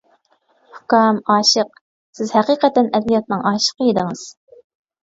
ئۇكام ئاشىق، سىز ھەقىقەتەن ئەدەبىياتنىڭ ئاشىقى ئىدىڭىز.